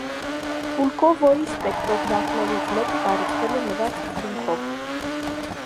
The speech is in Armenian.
(Պուլկովոյի սպեկտրոգրաֆներից մեկը կառուցվել է նրա ցուցմունքով)։